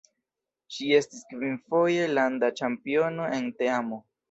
Ŝi estis kvinfoje landa ĉampiono en teamo.